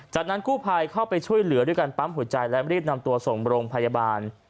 จากนั้นกู้ภัยเข้าไปช่วยเหลือด้วยการปั๊มหัวใจและรีบนำตัวส่งโรงพยาบาล